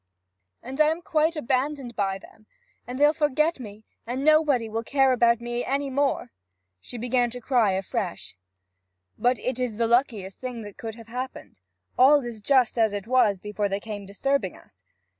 'And I am quite abandoned by them! and they'll forget me, and nobody care about me any more!' She began to cry afresh. 'But it is the luckiest thing that could have happened. All is just as it was before they came disturbing us.